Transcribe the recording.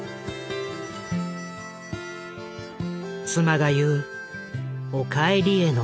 妻が言う「お帰り」への憧れ。